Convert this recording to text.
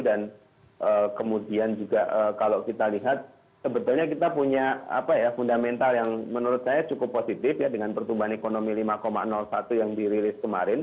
dan kemudian juga kalau kita lihat sebetulnya kita punya fundamental yang menurut saya cukup positif ya dengan pertumbuhan ekonomi lima satu yang dirilis kemarin